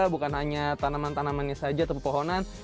bukan hanya tanaman tanamannya saja atau pepohonan